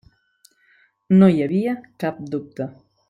No hi havia cap dubte.